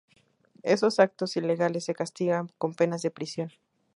Esos actos ilegales se castigan con penas de prisión.